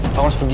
aku harus pergi